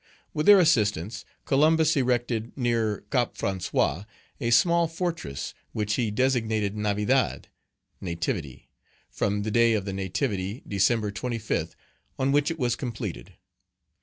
With their assistance, Columbus erected, near Cap François, a small fortress which he designated Navidad (nativity), from the day of the nativity (December 25th) on which it was completed.